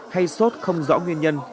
hay sốt không rõ nguyên nhân